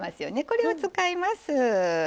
これを使います。